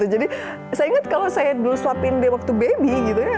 jadi saya ingat kalau saya dulu suapin dia waktu bayi gitu ya